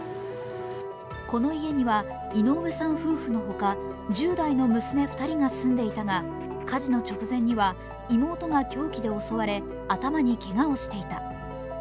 この家には井上さん夫婦のほか１０代の娘２人が住んでいたが火事の直前には妹が凶器で襲われ、頭にけがをしていた。